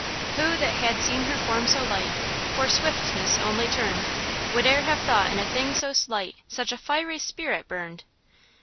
"Who that had seen her form so light For swiftness only turned, Would e'er have thought in a thing so slight Such a fiery spirit burned?"